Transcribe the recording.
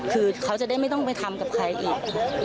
คือเขาจะได้ไม่ต้องไปทำกับใครอีก